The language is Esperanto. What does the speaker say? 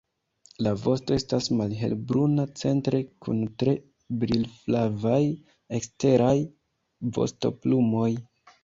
La vosto estas malhelbruna centre kun tre brilflavaj eksteraj vostoplumoj.